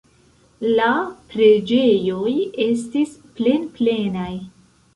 La preĝejoj estis plenplenaj.